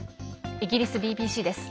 イギリスＢＢＣです。